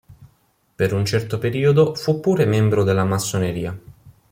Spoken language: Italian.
Per un certo periodo, fu pure membro della Massoneria.